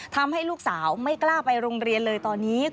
ทำให้ลูกสาวไม่กล้าไปโรงเรียนเลยตอนนี้